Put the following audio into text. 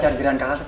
ada apa kalim